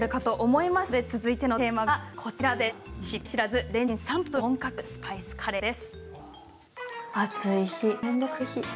続いてのテーマは失敗知らずレンチン３分で本格スパイスカレーです。